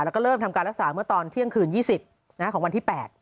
แล้วก็เริ่มทำการรักษาเมื่อตอนเที่ยงคืน๒๐ของวันที่๘